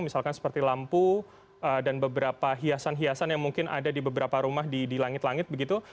misalkan seperti lampu dan beberapa hiasan hiasan yang mungkin ada di beberapa rumah di langit langit begitu